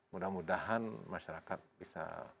mudah mudahan masyarakat bisa